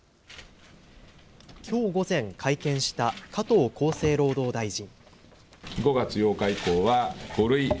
きょう午前、会見した加藤厚生労働大臣。